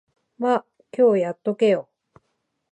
ま、今日やっとけよ。